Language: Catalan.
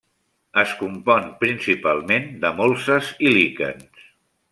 Es compon principalment de molses i líquens.